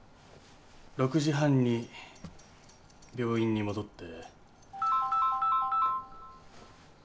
６時半に病院に戻って。